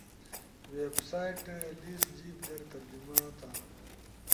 ویب سائتٹ لیس جیِب در ترجمہ تا